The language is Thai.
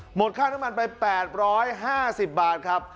หมดค่าน้ำมันไป๘๕๐บาทครับ